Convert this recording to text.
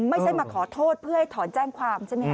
ไม่ใช่มาขอโทษเพื่อให้ถอนแจ้งความใช่ไหมครับ